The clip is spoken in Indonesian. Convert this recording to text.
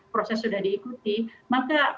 proses sudah diikuti maka